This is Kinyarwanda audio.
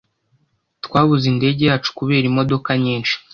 Twabuze indege yacu kubera imodoka nyinshi.